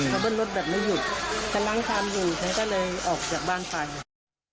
เขาเบิ้ลรถแบบไม่หยุดฉันล้างชามอยู่ฉันก็เลยออกจากบ้านไป